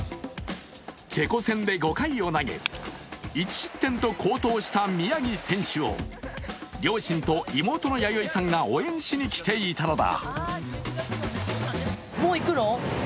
チェコ戦で５回を投げ１失点と好投した宮城選手を両親と妹の弥生さんが応援しに来ていたのだ。